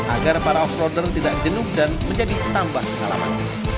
agar para off roader tidak jenuh dan menjadi tambah pengalaman